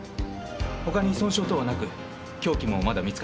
他に損傷等はなく凶器もまだ見つかっていません。